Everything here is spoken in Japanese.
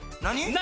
何？